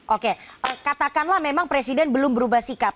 oke katakanlah memang presiden belum berubah sikap